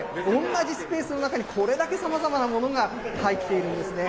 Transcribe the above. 同じスペースの中に、これだけさまざまなものが入っているんですね。